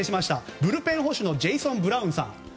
ブルペン保守のジェイソン・ブラウンさん。